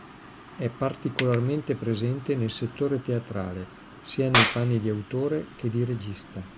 È particolarmente presente nel settore teatrale, sia nei panni di autore che di regista.